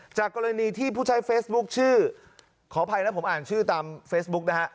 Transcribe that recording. จากกรณีที่ผู้ใช้เฟซบุ๊คชื่อขออภัยนะผมอ่านชื่อตามเฟซบุ๊กนะฮะ